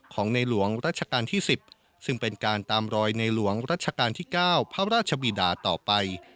ของในหลวงรัชกาลที่๑๐ซึ่งเป็นการตามรอยในหลวงรัชกาลที่๙พระราชบีดาต่อไป